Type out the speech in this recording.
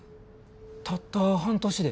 たった半年で？